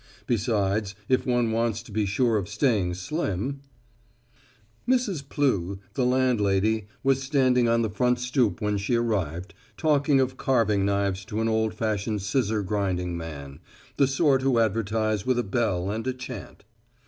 Besides, if one wants to be sure of staying slim Mrs. Plew, the landlady, was standing on the front stoop when she arrived, talking of carving knives to an old fashioned scissor grinding man, the sort who advertise with a bell and a chant.